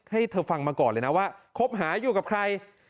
ให้เธอฟังมาก่อนเลยนะว่าคบหาอยู่กับใคร